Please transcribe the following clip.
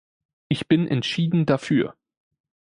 Ich bin entschieden dafür.